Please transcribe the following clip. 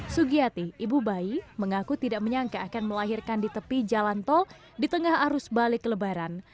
sugiyati ibu bayi mengaku tidak menyangka akan melahirkan di tepi jalan tol di tengah arus balik lebaran